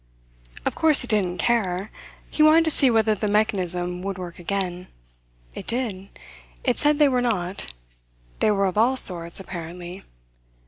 Of course, he didn't care. He wanted to see whether the mechanism would work again. It did. It said they were not. They were of all sorts, apparently.